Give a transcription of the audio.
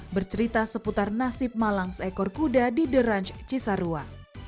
bercerita seputar nasib malang seekor kuda di the ranch cisarua